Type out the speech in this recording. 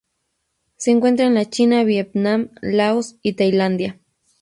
Se encuentra en la China, Vietnam, Laos y Tailandia.